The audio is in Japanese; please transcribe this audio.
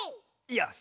よし！